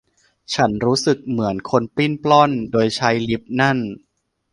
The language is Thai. ฉันรู้สึกเหมือนคนปลิ้นปล้อนโดยใช้ลิฟท์นั้น